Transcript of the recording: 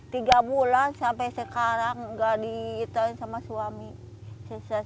tiga bulan sampai sekarang tidak diberikan oleh suami